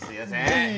はい。